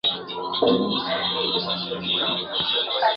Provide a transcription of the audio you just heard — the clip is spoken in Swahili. Utahitaji mwiko wa kupikia viazi lishe